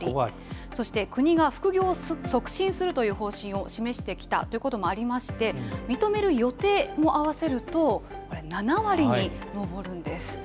そして国が副業を促進するという方針を示してきたということもありまして、認める予定も合わせると、７割に上るんです。